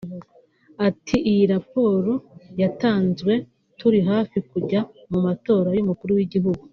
Ati “Iyi raporo yatanzwe turi hafi kujya mu matora y’umukuru w’igihugu